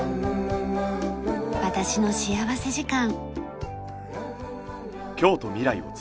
『私の幸福時間』。